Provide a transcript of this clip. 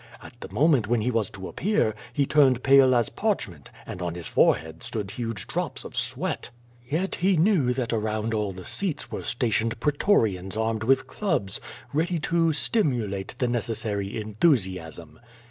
At the moment when he was to appear, he turned pale as parchment and on his forehead stood huge drops of sweat. Yet he knew that around all the seats were station ed pretorians armed with clubs, ready to stimulate the neces sary enthusiasm.